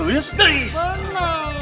itu ya bang